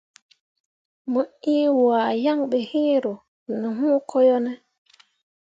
Mo ĩĩ wahe yaŋ be iŋ ro ne hũũ ko yo ne ?